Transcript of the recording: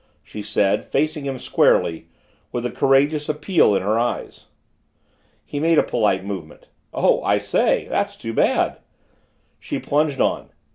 she said, facing him squarely, with a courageous appeal in her eyes. He made a polite movement. "Oh, I say! That's too bad." She plunged on.